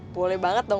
boleh banget dong pi